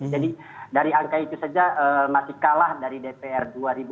jadi dari angka itu saja masih kalah dari dpr dua ribu empat puluh lima